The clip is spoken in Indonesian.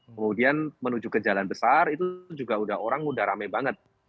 kemudian menuju ke jalan besar itu juga orang udah rame banget